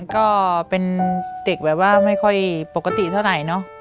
ก็เป็นเด็กแบบว่าไม่ค่อยปกติเท่าไหร่เนอะ